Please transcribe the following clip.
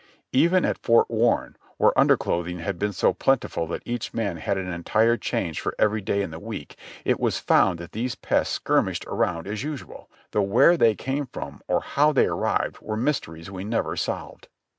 Even at Fort Warren, where underclothing had been so plentiful that each man had an entire change for every day in the week, it was found that these pests skirmished around as usual, though where they came from or how they arrived were mysteries we never solved.